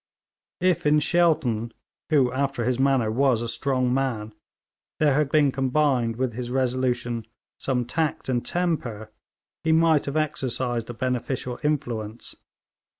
If in Shelton, who after his manner was a strong man, there had been combined with his resolution some tact and temper, he might have exercised a beneficial influence.